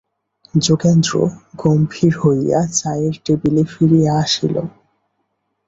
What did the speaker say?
যোগেন্দ্র গম্ভীর হইয়া চায়ের টেবিলে ফিরিয়া আসিল।